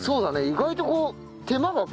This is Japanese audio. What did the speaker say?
意外とこう。